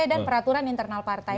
dan peraturan internal partai